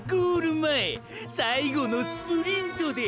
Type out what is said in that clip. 前最後のスプリントでぇ